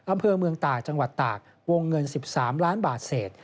อำเภอเมืองตากจังหวัดตากวงเงิน๑๓ล้านบาทเศษ